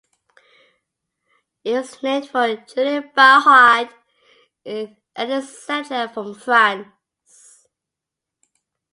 It was named for Julian Bahuaud, an early settler from France.